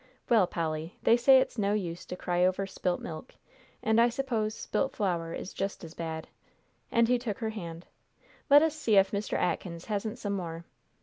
"Well, Polly, they say it's no use to cry over spilt milk, and I suppose spilt flour is just as bad," and he took her hand. "Let us see if Mr. Atkins hasn't some more."